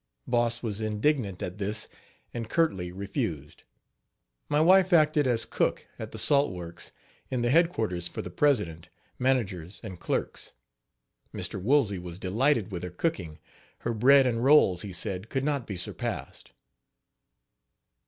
Boss was indignant at this and curtly refused. My wife acted as cook at the salt works, in the headquarters for the president, managers and clerks. Mr. Woolsey was delighted with her cooking; her bread and rolls, he said, could not be surpassed.